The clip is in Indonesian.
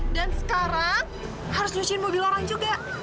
dan sekarang harus lucuin mobil orang juga